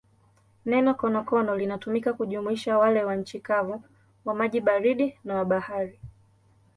Neno konokono linatumika kujumuisha wale wa nchi kavu, wa maji baridi na wa bahari.